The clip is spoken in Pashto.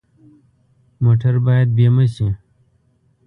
موټر باید بیمه شي.